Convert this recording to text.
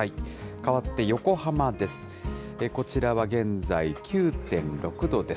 かわって横浜です。